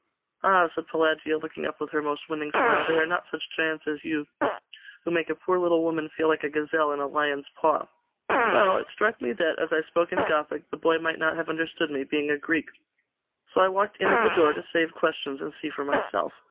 'Ah,' said Pelagia, looking up with her most winning smile, 'they are not such giants as you, who make a poor little woman feel like a gazelle in a lion's paw!' 'Well it struck me that, as I spoke in Gothic, the boy might not have understood me, being a Greek. So I walked in at the door, to save questions, and see for myself.